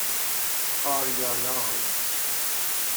آریاناز